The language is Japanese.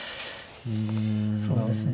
そうですね。